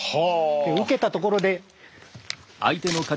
受けたところで。